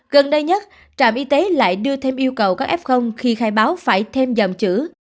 gần đây nhất trạm y tế lại đưa thêm yêu cầu các f khi khai báo phải thêm dòng chữ